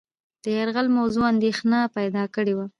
د یرغل موضوع اندېښنه پیدا کړې وه.